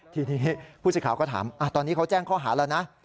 ทีนี้ผู้สื่อข่าวก็ถามตอนนี้เขาแจ้งข้อหาแล้วนะ